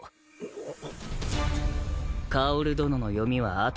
あっ！